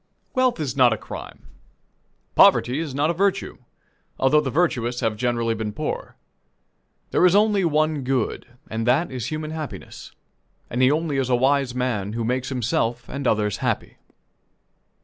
Wealth is not a crime; poverty is not a virtue although the virtuous have generally been poor. There is only one good, and that is human happiness; and he only is a wise man who makes himself and others happy.